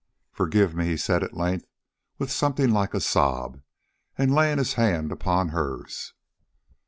"Forgive me," he said at length with something like a sob, and laying his hand upon hers.